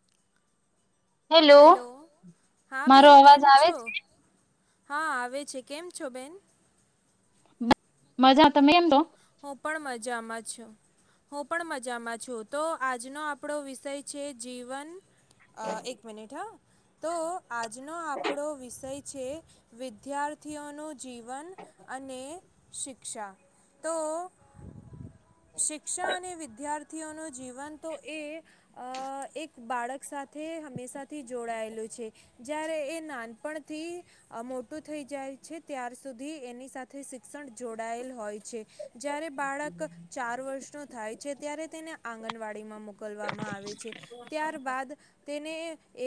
[inaudible] Hello, હા, મારો બેન કેમ અવાજ આવે છો? છે હા, આવે છે, કેમ છો બેન? મજા, તમે કેમ છો? હું પણ મજામાં છું, હું પણ મજામાં છું, તો આજનો આપણો વિષય છે જીવન અ એક મિનિટ હા. તો. આજનો આપણો વિષય છે વિદ્યાર્થીઓનું જીવન અને શિક્ષા. તો શિક્ષા અને વિદ્યાર્થી થીઓનું જીવન તો અ એ એક બાળક સાથે હંમેશાથી જોડાયેલું છે, જ્યારે એ નાનપણથી મોટું થઈ જાય છે, ત્યાર સુધી એની સાથે શિક્ષણ જોડાયેલ હોય છે. જ્યારે બાળક ચાર વર્ષનું થાય છે, ત્યારે તેને આંગણવાડીમાં મોકલવામાં આવે છે. ત્યારબાદ તેને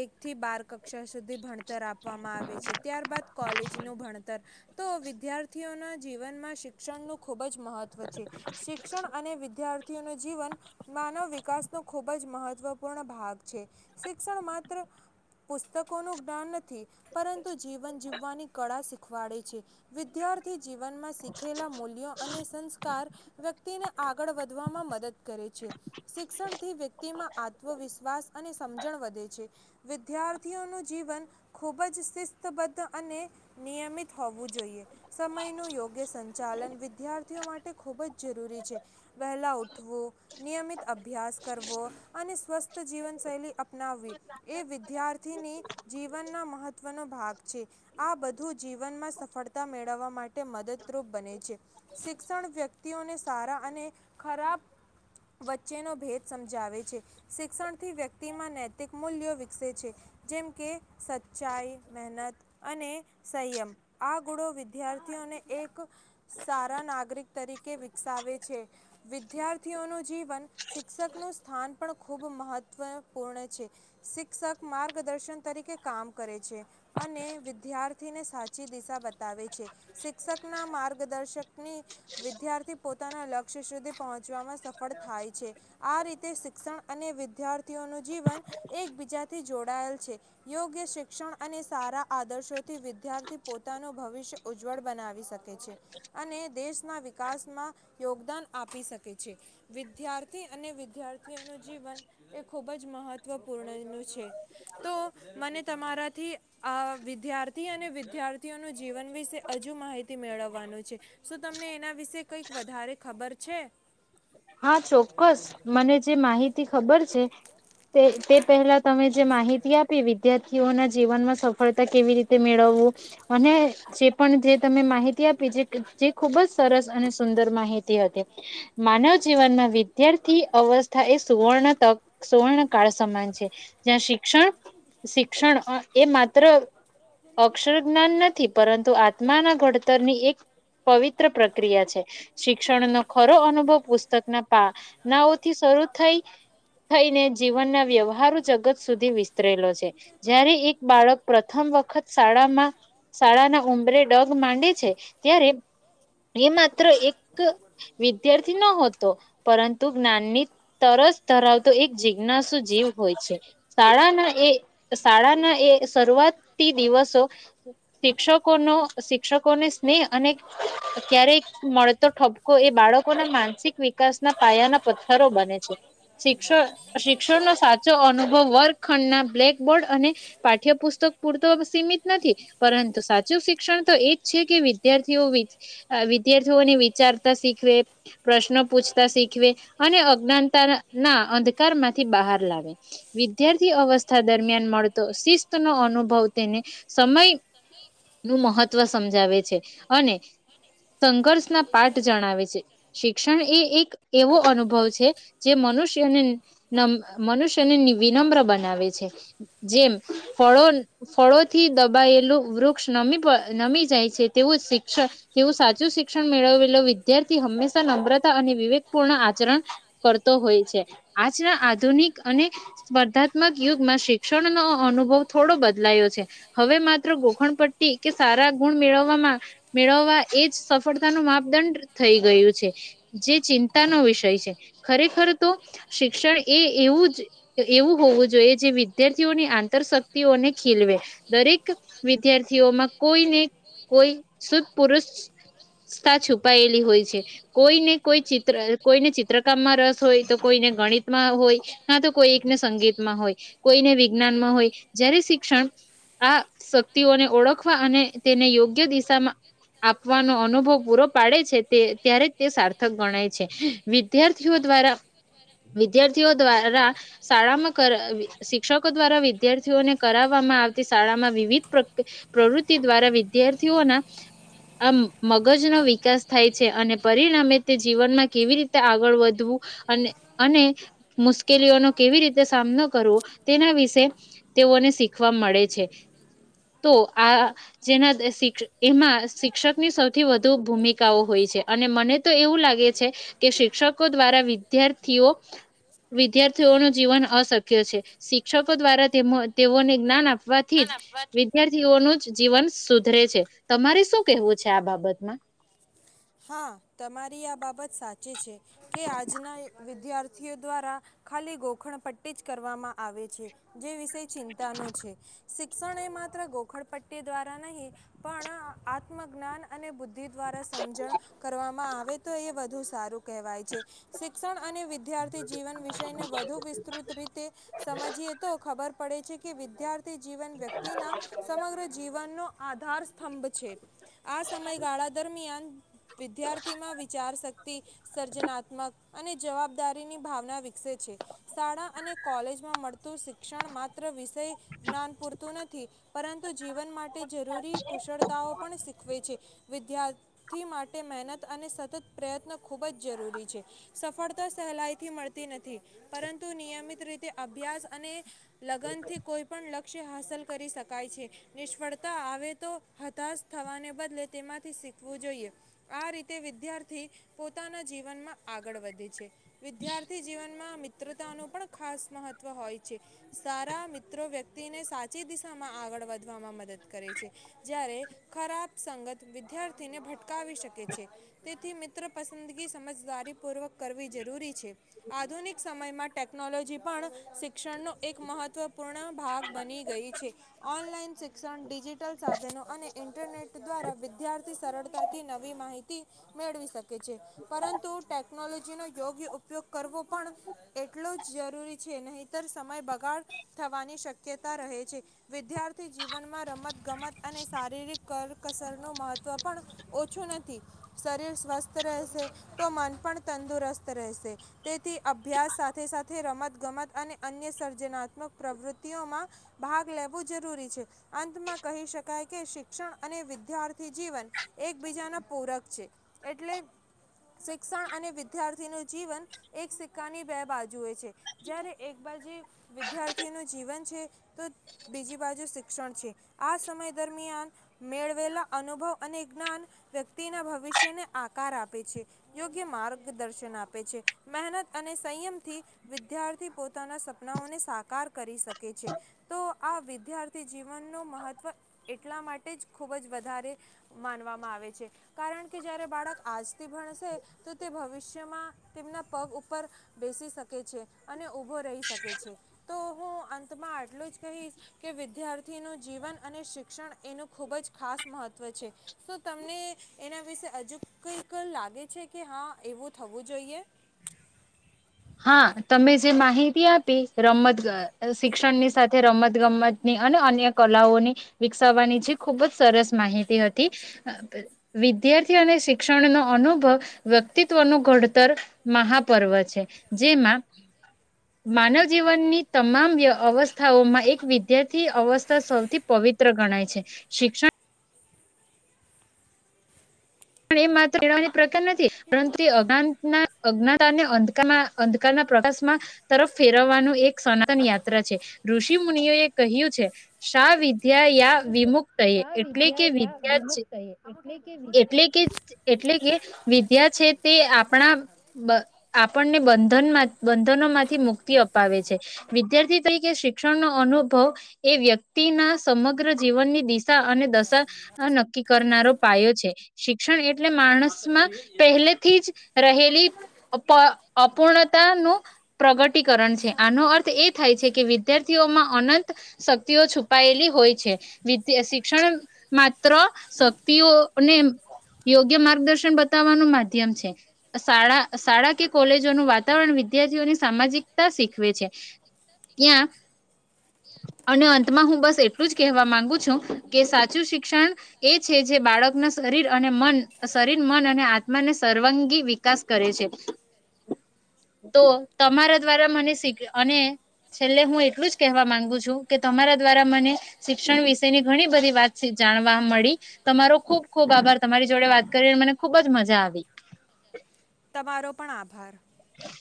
એકથી બાર કક્ષા સુધી ભણતર આપવામાં આવે છે. ત્યારબાદ કોલેજનું ભણતર તો વિદ્યાર્થીઓના જીવનમાં શિક્ષણ ખૂબજ મહત્વ છે. શિક્ષણ અને વિદ્યાર્થી થીઓનું જીવન માનવ વિકાસ નો ખૂબજ મહત્વપૂર્ણ ભાગ છે. શિક્ષણ માત્ર પુસ્તકોનું જ્ઞાન નથી, પરંતુ જીવન જીવવાની કળા શીખવાડે છે. વિદ્યાર્થી જીવનમાં શીખેલા મૂલ્યો અને સંસ્કાર વ્યક્તિને આગળ વધવામાં મદદ કરે છે. શિક્ષણથી વ્યક્તિમાં આત્મવિશ્વાસ અને સમજણ વધે છે. વિદ્યાર્થીઓનું જીવન ખૂબજ શિસ્તબદ્ધ અને નિયમિત હોવું જોઈએ. સમયનું યોગ્ય સંચાલન વિદ્યાર્થીઓ માટે ખૂબજ જરૂરી છે. વહેલાં ઉઠવું, નિયમિત અભ્યાસ કરવો અને સ્વસ્થ જીવનશૈલી અપનાવવી, એ વિદ્યાર્થીની જીવનના મહત્ત્વનો ભાગ છે. આ બધું જીવનમાં સફળતા મેળવવા માટે મદદરૂપ બને છે. શિક્ષણ વ્યક્તિઓને સારા અને ખરાબ વચ્ચેનો ભેદ સમજાવે છે શિક્ષણથી વ્યક્તિમાં નૈતિક મૂલ્યો વિકસે છે. જેમ કે સચ્ચાઈ મહેનત અને સંયમ આ ગુણો વિદ્યાર્થીઓને એક સારા નાગરિક તરીકે વિકસાવે છે. વિદ્યાર્થીઓનું જીવન શિક્ષકનું સ્થાન પણ ખૂબ મહત્વપૂર્ણ છે. શિક્ષક માર્ગદર્શન તરીકે કામ કરે છે. અને વિદ્યાર્થીને સાચી દિશા બતાવે છે શિક્ષકના મા દર્શકની વિદ્યાર્થી પોતાના લક્ષ્ય સુધી પહોંચવામાં સફળ થાય છે. આ રીતે શિક્ષણ અને વિદ્યાર્થીઓનું જીવન એકબીજાથી જોડાયેલ છે. યોગ્ય શિક્ષણ અને સારા આદર્શોથી વિદ્યાર્થી પોતાનું ભવિષ્ય ઉજ્જવળ બનાવી શકે છે. અને દેશના વિકાસમાં યોગદાન આપી શકે છે. વિદ્યાર્થી અને વિદ્યાર્થીઓનું જીવન એ ખુબ જ મહત્વપૂર્ણ નું છે. તો મને તમારાથી આ વિદ્યાર્થી અને વિદ્યાર્થીઓનું જીવન વિશે હજુ માહિતી મેળવ વાનો છે શું તમને એના વિશે કઈક વધારે ખબર છે. હા ચોક્કસ મને જે માહિતી ખબર છે તે તે પહેલા તમે જે માહિતી આપી વિદ્યાર્થીઓના જીવનમાં સફળતા કેવી રીતે મેળવવું અને જે પણ જે તમે માહિતી આપી ખુબ જ સરસ અને સુંદર માહિતી હતી માનવ જીવનમાં વિદ્યાર્થી અવસ્થા એ સુવર્ણ તક સુવર્ણ કળ સમાન છે. જ્યાં શિક્ષણ શિક્ષણ એ માત્ર અક્ષર જ્ઞાન નથી પરંતુ આત્માના ઘડતરની એક પવિત્ર પ્રક્રિયા છે. શિક્ષણનો ખરો અનુભવ પ નાઓથી શરૂ થઈ થઈને જીવન ના વ્યવહારો જગત સુધી વિસ્તરેલો છે. જય્યારે એક બાળક પ્રથમ વખત શાળામાં શાળાના ઉમરે ડગ માંડે છે. ત્યારે એ માત્ર એક વિદ્યાર્થી ન ત પરંતુ જ્ઞાનની તરસ ધરાવતો એક જિજ્ઞાસુ જીવ હોય છે શાળાના એ શાળાના એ શરૂઆતથી દિવસો શિક્ષકોનો શિક્ષકોને સ્નેહ અને ક્યારે મળતો ઠપકો એ બાળકોના માનસિક વિકાસમાં પાયાના પથ્થરો બને છે. શિક્ષ શિક્ષણનો સાચો અનુભવ વર્ગખંડના બ્લેકબોર્ડ અને પાઠ્યપુસ્તક પૂરતો સીમિત નથી. પરંતુ સાચું શિક્ષણ તો એજ છે. કે વિદ્યાર્થીઓ વિદ્યાર્થીઓની વિચારતા શીખવે પ્રશ્નો પૂછ ત શીખવે અને અજ્ઞાનતા ના અંધકાર માંથી બહાર લાવે વિદ્યાર્થી અવસ્થા દરમિયાન મળતો શિસ્ત નો અનુભવ તેને સમય નું મહત્ત્વ સમજાવે છે અને સંઘર્ષ ના પાઠ જણાવે છે. શિક્ષણ એ એક એવો અનુભવ છે જે મનુષ્યને નમ મનુષ્યને વિનમ્ર બનાવે છે. જેમ ફળો ફળોથી દબાયેલું વૃક્ષ નમી નમી જાય છે. તેવું શિક્ષણ તેવું સાચું શિક્ષણ મેળવેલો વિદ્યાર્થી હંમેશા નમ્રતા અને વિવે પૂ આચરણ કરતો હોય છે. આજના આધુનિક અને સ્પર્ધાત્મક યુગમાં શિક્ષણનોો અનુભવ થોડો બદલાયો છે. હવે માત્ર ગોખણ પટ્ટી કે સારા ગુણ મેળવવામાં મેળવવા એ જ સફળતા ન માપદંડ થઈ ગયું છે. જે ચીન તા વિષય છે. ખરેખર તો શિક્ષણ એ એવું જ એવું હોવું જોઈએ જે વિદ્યાર્થીઓની આંતર શક્તિઓને ખીલવે દરેક વિદ્યાર્થીઓમાં કોઈને કોઈ સુદપુરુષથ છુપાયેલી હોય છે. કોઈ ને કોઈ [unintelligible] કોઈને ચિત્રકામમાં રસ હોય, તો કોઈને ગણિતમાં હોય, ના તો કોઈ એકને સંગીતમાં હોય, કોઈને વિજ્ઞાનમાં હોય, જયારે શિક્ષણ આ શક્તિઓને ઓળખવા અને તેને યોગ્ય દિશામાં આપવાનો અનુભવ પૂરો પાડે છે, તે ત્યારે તે સાર્થક ગણાય. છે, વિદ્યાર્થીઓ દ્વારા વિદ્યાર્થીઓ દ્વારા શાળામાં કરવી શિક્ષકો દ્વારા વિદ્યાર્થીઓને કરાવવામાં આવતી શાળામાં વિવિધ પ્ર પ્રવૃતિ દ્વારા વિદ્યાર્થીઓના આ મગજનો વિકાસ થાય છે, અને પરિણામે તે જીવન માં કેવી રીતે આગળ વધવું અને અને મુશ્કેલીઓનો કેવી રીતે સામનો કરવો, તેના વિશે તેઓને શીખવા મળે છે, તો આ જેના શિક્ષ એમાં શિક્ષક ની સૌથી વધુ ભૂમિકાઓ હોય છે, અને મને તો એવું લાગે છે કે શિક્ષકો દ્વારા વિદ્યાર્થીઓ વિદ્યાર્થીઓનું જીવન અશક્ય છે, શિક્ષકો દ્વારા તેમાં તેઓને જ્ઞાન આપ આપવા થી જ વિદ્યાર્થીઓનું જી જીવન સુધરે છે, તમારે શું કેવું છે, આ બાબતમાં. હા તમારી આ બાબત સાચી છે, કે આજના વિદ્યાર્થીઓ દ્વારા ખાલી ગોખણ પટ્ટીજ કરવામાં આવે છે, જે વિષય ચિંતાનો છે. શિક્ષણ એ માત્ર ગોખળ પટ્ટી દ્વારા નહીં પણ આત્મજ્ઞાન અને બુદ્ધિ દ્વારા સમજણ કરવામાં આવે તો એ વધુ સારું કહેવાય છે, શિક્ષણ અને વિદ્યાર્થી જીવન વિષયને વધુ વિસ્તૃત રીતે સમજીએ તો ખબર પડે છે, કે વિદ્યાર્થી જીવન વ્યક્તિના સમગ્ર જીવનનો આધાર સ્તંભ છે, આ સમયગાળા દરમિયાન વિદ્યાર્થીમાં વિચારશક્તિ સર્જનાત્મક અને જવાબદારીની ભાવના વિકસે છે, શાળા અને કોલેજમાં મળતું શિક્ષણ માત્ર વિષય જ્ઞાન પૂરતું નથી, પરંતુ જીવન માટે જરૂરી કુશળતાઓ પણ શીખવે છે, વિદ્યાર્થી થી મા તે મહેનત અને સતત પ્રયત્ન ખૂબ જ જરૂરી છે, સફળતા સહેલાઈથી મળતી નથી, પરંતુ નિયમિત રીતે અભ્યાસ અને લગ્ન થી કોઈ પણ લગ લક્ષ્ય હાંસલ કરી શકાય છે, નિષ્ફળતા આવે તો હતાશ થવાને બદલે તેમાંથી શીખવું જોઈએ. આ રીતે વિદ્યાર્થી પોતાના જીવનમાં આગળ વધે છે. વિદ્યાર્થી જીવનમાં મિ મિત્રતાનું પણ ખાસ મહત્ત્વ હોય છે, સારા મિત્રો વ્યક્તિને સાચી દિશામાં આગળ વધવામાં મદદ કરે છે, જ્યારે ખરાબ સંગત વિદ્યાર્થીને ભટકાવી શક શકે છે, તેથી મિત્ર પસંદગી સમજદારી પૂર્વક કરવી જરૂરી છે, આધુનિક સમયમાં ટેકનોલોજી પણ શિક્ષણનો એક મહત્વપૂર્ણ ભાગ બની ગઈ છે, ઓનલાઈન શિક્ષણ ડિજિટલ સાધનો અને ઇન્ટરનેટ દ્વારા વિદ્યાર્થી સરળતાથી ના નવી માહિતી મેળવી શકે છે, પરંતુ ટેકનોલોજીનો યોગ્ય ઉપયોગ કરવો પણ એટલો જ જરૂરી છે, નહીંતર સમય બગાડ થવાની શક્યતા રહે છે, વિદ્યાર્થી જીવનમાં રમત ગમત અને શારીરિક કરકસરનું મહત્વ પણ ઓ છો નથી, શરીર સ્વસ્થ રહેશે તો મન પણ તંદુરસ્ત રહેશે, તેથી અભ્યાસ સાથે સાથે રમત ગમત અને અન્ય સર્જનાત્મક પ્રવૃત્તિઓમાં ભાગ લેવું જરૂરી છે, અંતમાં કહી શકાય કે શિક્ષણ અને વિદ્યાર્થી જીવન એક એકબીજાના પૂરક છે, એટલે શિક્ષણ અને વિદ્યાર્થીનું જીવન એક સિક્કાની બે બાજુએ છે, જ્યારે એક બાજુ વિદ્યાર્થીનું જીવન છે, તો બીજી બાજુ શિક્ષણ છે, આ સમય દરમિયાન મેળવેલા અનુભવ અને જ્ઞાન વ્યક્તિના ભવિષ્યને આકાર આપે છે, યોગ્ય માર્ગદર્શન આપે છે, મહેનત અને સંયમથી વિદ્યાર્થી પોતાના સપનાઓને સાકાર કરી શકે છે, તો આ વિદ્યાર્થી જીવન નો મહત્વ એટલા માટે જ ખુબ જ વધારે માનવા માં આવે છે, કારણ કે જયારે બાળક આજથી ભણસે તો તે ભવિષ્યમાં તેમના પગ ઉપર બેસી શકે કે છે, અને ઊભો રહી શકે છે, તો હું અંતમાં આટલું જ કહીશ કે વિદ્યાર્થીનું જીવન અને શિક્ષણ એનું ખૂબ જ ખાસ મહત્વ છે. તો તમને એના વિશે અજુ કઈ લાગે છે, કે હા એવું થવું જોઈએ. હા તમે જે માહિતી આપી રમત ગા શિક્ષણની સાથે રમત ગમતની અને અન્ય કલાઓની વિકસાવવાની જે ખૂબ જ સરસ માહિતી હતી, આ વિદ્યાર્થીઓ અને શિક્ષણનો અનુભવ વ્યક્તિત્વનું ઘડતર મહાપર્વ છે. જેમાં માનવ જીવનની તમામ વ્ય અવસ્થાઓમાં એક વિદ્યાર્થી અવસ્થા સૌથી પવિત્ર ગણાય છે, શિક્ષણ પણ એ માત્ર મેળવવાની પ્રકાર નથી, પરંતુ આ અજ્ઞાના અજ્ઞાતાને અંધકારમાં અંધકારના પ્રકાશમાં તરફ ફેરવવાનું એક સનાતન યાત્રા છે, ઋષિ મુનિઓ એ કહ્યું છે, શા વિદ્યા યા વિમુખ શ વિદ્યા યા વિમક્ત. [unintelligible] એટલે કે એટલે કે વિદ્યા છે, તે આપણા આપણને બંધનમાં બંધનો માંથી મુક્તિ અપાવે છે, વિદ્યાર્થી થી કે શિક્ષણ નો અનુભવ એ વ્યક્તિ ના સમગ્ર જીવનની દિશા અને દશા નક્કી કરનારો પાયો છે, શિક્ષણ એટલે માણસમાં પહેલેથી જ રહેલી અપ અપૂર્ણતા નું પ્રગટીકરણ છે, આનો અર્થ એ થાય છે, કે વિદ્યાર્થીઓમાં અનંત શક્તિઓ છુપાયેલી હોય છે, વિદ્યા શિક્ષણ માત્ર શક શક્તિ ઓ આપણે એમ યોગ્ય માર્ગદર્શન બતાવવાનું માધ્યમ છે, આ શાળા આ શાળા કે કોલેજોનું વાતાવરણ વિદ્યાર્થીઓની સામાજિકતા શીખવે છે, ત્યાં અને અંતમાં હું બસ એટલું જ કહેવા માંગુ છું, કે સાચું શિક્ષણ એ છે, જે બાળકના શરીર અને મન શરીર મન અને આત્માને સર્વાંગી વિકાસ કરે છે, તો તમારા દ્વારા મને અને છેલ્લે હું એટલું જ કહેવા માંગુ છું, કે તમારા દ્વારા મને શિક્ષણ વિશેની ઘણી બધી વાત જાણવા મળી. તમારો ખુબ ખૂબ આભાર તમારી જોડે વાત કરી મને ખુબ જ મજા આવી. તમારો પણ આભાર.